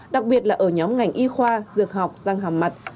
đặc biệt là ở nhóm ngành y khoa dược học răng hàm mặt